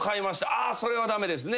「ああ。それは駄目ですね」